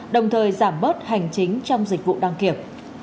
và giảm bớt hành chính trong dịch vụ đăng kiểm